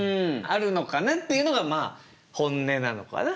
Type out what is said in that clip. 「あるのかな」っていうのがまあ本音なのかな。